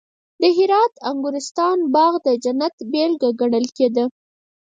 د هرات د انګورستان باغ د جنت بېلګه ګڼل کېده